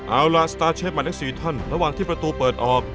เอาล่ะสตาร์เชฟมันทั้ง๔ท่านระหว่างที่ประตูเปิดออก